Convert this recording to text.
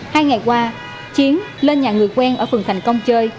hai ngày qua chiến lên nhà người quen ở phường thành công chơi